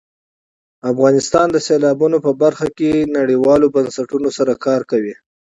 افغانستان د سیلابونه په برخه کې نړیوالو بنسټونو سره کار کوي.